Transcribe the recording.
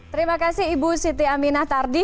terima kasih ibu siti aminah tardi